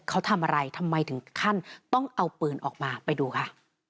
เขาทำอะไรทำไมถึงขั้นต้องเอาปืนออกมาไปดูค่ะ